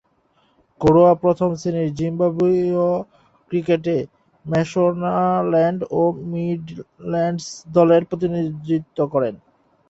ঘরোয়া প্রথম-শ্রেণীর জিম্বাবুয়ীয় ক্রিকেটে ম্যাশোনাল্যান্ড ও মিডল্যান্ডস দলের প্রতিনিধিত্ব করেন।